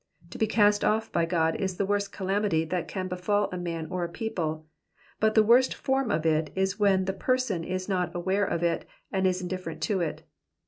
To be cast off by God is the worst calamity that can befal a man or a people ; but the worst form of it is when the person is not aware of it and is indifferent to it.